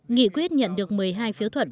nghị quyết nhận được một mươi hai phiếu thuận